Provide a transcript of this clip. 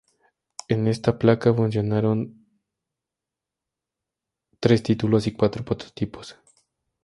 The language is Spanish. En esta placa funcionaron tres títulos y cuatro prototipos.